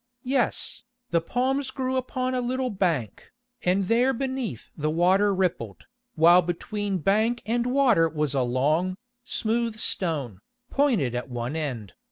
Yes, the palms grew upon a little bank, and there beneath the water rippled, while between bank and water was a long, smooth stone, pointed at one end.